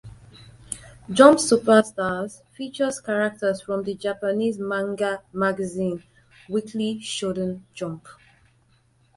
"Jump Super Stars" features characters from the Japanese manga magazine "Weekly Shonen Jump".